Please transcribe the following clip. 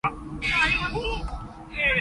這個時候阿明已經百份百咁肯定